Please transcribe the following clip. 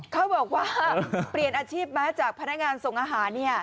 เขาบอกว่าเปลี่ยนอาชีพมาจากพนักงานส่งอาหาร